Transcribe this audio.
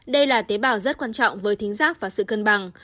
đây là tế bào rất quan trọng với thính giác và sự cân bằng